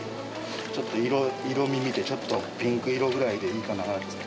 ちょっと色味見て、ちょっとピンク色ぐらいでいいかな。